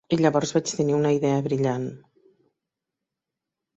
I llavors vaig tenir una idea brillant.